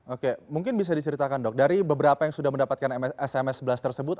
oke mungkin bisa diceritakan dok dari beberapa yang sudah mendapatkan sms sebelas tersebut